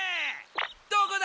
どこだ！